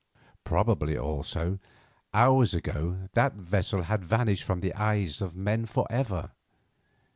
Probably, also, hours ago that vessel had vanished from the eyes of men for ever.